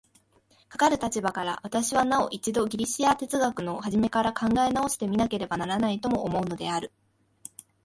かかる立場から、私はなお一度ギリシヤ哲学の始から考え直して見なければならないとも思うのである。